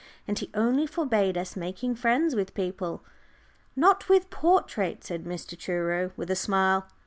And he only forbade us making friends with people." "Not with portraits," said Mr. Truro, with a smile.